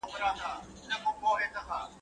په خندا پسې ژړا سته.